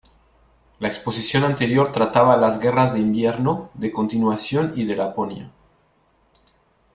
La exposición anterior trataba las Guerras de Invierno, de Continuación y de Laponia.